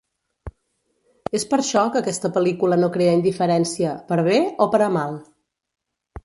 És per això que aquesta pel·lícula no crea indiferència, per bé o per a mal.